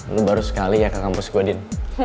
lo baru sekali ya ke kampus gue din